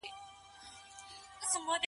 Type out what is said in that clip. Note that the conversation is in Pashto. انګریزان به کله کابل ته راځي؟